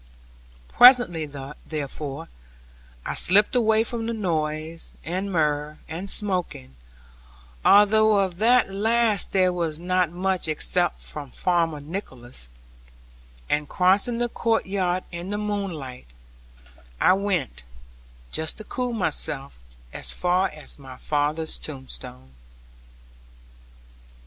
Presently, therefore, I slipped away from the noise, and mirth, and smoking (although of that last there was not much, except from Farmer Nicholas), and crossing the courtyard in the moonlight, I went, just to cool myself, as far as my father's tombstone.